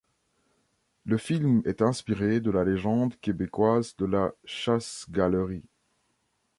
Le film est inspiré de la légende québécoise de la Chasse-galerie.